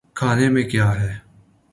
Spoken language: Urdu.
کھانے میں کیا ہے۔